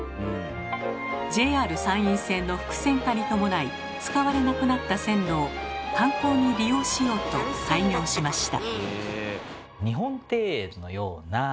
ＪＲ山陰線の複線化に伴い使われなくなった線路を観光に利用しようと開業しました。